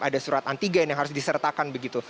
ada surat antigen yang harus disertakan begitu